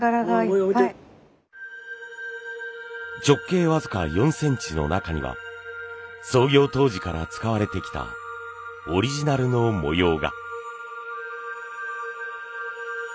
直径僅か４センチの中には創業当時から使われてきたオリジナルの模様が。